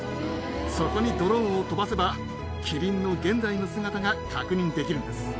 そこにドローンを飛ばせば、キリンの現在の姿が確認できるんです。